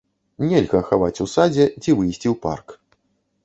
Нельга хаваць у садзе, ці выйсці ў парк.